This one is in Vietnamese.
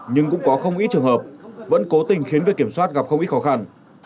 nhưng cũng có không ít trường hợp vẫn cố tình khiến việc kiểm soát gặp không ít khó khăn